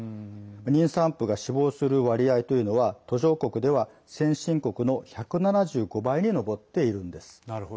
妊産婦が死亡する割合というのは途上国では先進国の１７５倍に上っているんです。